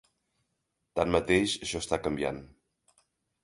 Tanmateix, això està canviant.